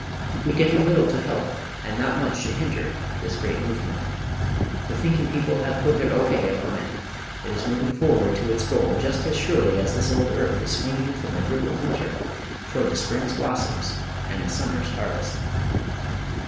We can do little to help and not much to hinder this great movement. The thinking people have put their O.K. upon it. It is moving forward to its goal just as surely as this old earth is swinging from the grip of winter toward the spring's blossoms and the summer's harvest.